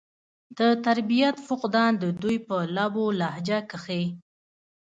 د تربيت فقدان د دوي پۀ لب و لهجه کښې